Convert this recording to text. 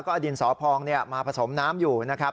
ก็เอาดินสอพองมาผสมน้ำอยู่นะครับ